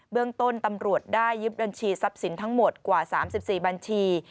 เรื่องต้นตำรวจได้ยึดบัญชีทรัพย์สินทั้งหมดกว่า๓๔บัญชี